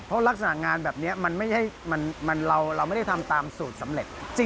เพราะลักษณะงานแบบนี้มันเราไม่ได้ทำตามสูตรสำเร็จ